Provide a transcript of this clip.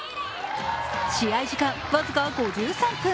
試合時間僅か５３分。